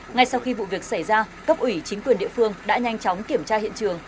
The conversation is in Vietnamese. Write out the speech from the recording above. ngay sau khi vụ việc xảy ra cấp ủy chính quyền địa phương đã nhanh chóng kiểm tra hiện trường